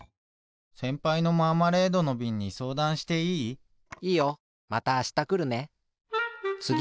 せんぱいのマーマレードのびんにそうだんしていい？いいよ。またあしたくるね。